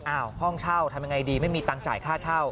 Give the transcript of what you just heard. อ้าวห้องเช่าทำยังไงดีไม่มีตังไจค่าเช่า